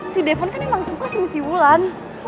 si devon kan emang suka sih sama si wulan